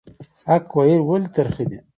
حق ویل ولې ترخه دي؟